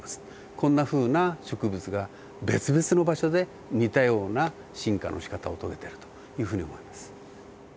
こんなふうな植物が別々の場所で似たような進化のしかたを遂げているというふうに思います。